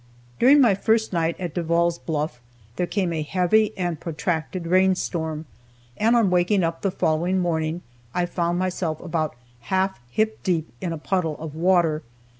During my first night at Devall's Bluff there came a heavy and protracted rain storm, and on waking up the following morning I found myself about half hip deep in a puddle of water.